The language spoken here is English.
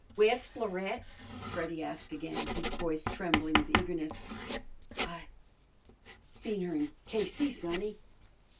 "Where's Florette?" Freddy asked again, his voice trembling with eagerness. "I seen her in K.C., sonny."